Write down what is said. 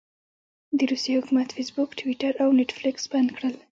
د روسيې حکومت فیسبوک، ټویټر او نیټفلکس بند کړل.